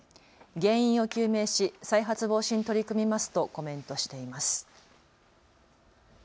原因を究明し再発防止に取り組みますとコメントしています。